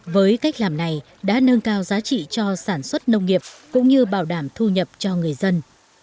với cách làm này đã nâng cao giá trị cho sản xuất nông nghiệp cũng như bảo đảm thu nhập cho người dân